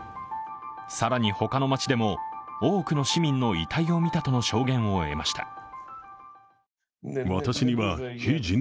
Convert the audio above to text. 更に他の街でも多くの市民の遺体を見たとの証言を得ました。